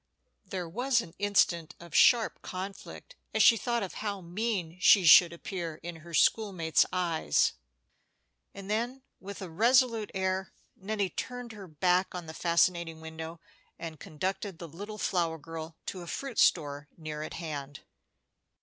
There was an instant of sharp conflict as she thought of how mean she should appear in her school mates' eyes, and then, with a resolute air, Nettie turned her back on the fascinating window, and conducted the little flower girl to a fruit store near at hand.